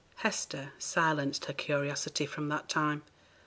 Hester silenced her curiosity from that time.